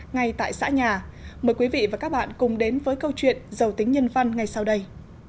ngay tại xã nhà mời quý vị và các bạn cùng đến với câu chuyện giàu tính nhân văn ngay sau đây